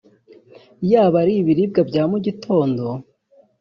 yaba ari ibiribwa bya mu gitondo